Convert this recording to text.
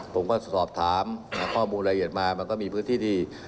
ผมก็สอบถามหาข้อมูลละเอียดมามันก็มีพื้นที่ดี